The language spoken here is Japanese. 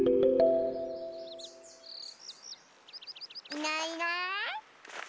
いないいない。